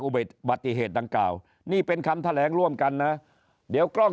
อุบัติเหตุบัติเหตุดังกล่าวนี่เป็นคำแถลงร่วมกันนะเดี๋ยวกล้อง